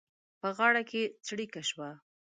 په غاړه کې څړيکه شوه.